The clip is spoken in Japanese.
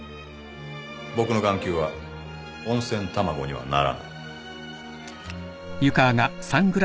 僕の眼球は温泉卵にはならない。